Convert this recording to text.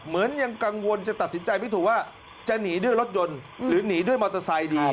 ยังกังวลจะตัดสินใจไม่ถูกว่าจะหนีด้วยรถยนต์หรือหนีด้วยมอเตอร์ไซค์ดี